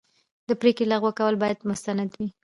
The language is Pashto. د پرېکړې لغوه کول باید مستند وي.